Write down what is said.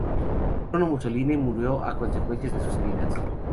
Bruno Mussolini murió a consecuencia de sus heridas.